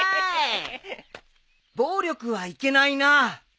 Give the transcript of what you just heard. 暴力はいけないな。